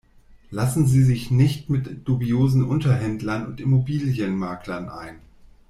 Lassen Sie sich nicht mit dubiosen Unterhändlern und Immobilienmaklern ein.